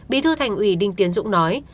bí thư thành ủy đinh tiến dũng nói